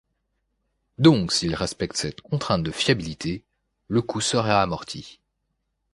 Donc s'il respecte cette contrainte de fiabilité, le coût serait amorti.